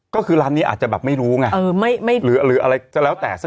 ก็คือร้านนี้อาจจะไม่รู้หรืออีกซักอย่าง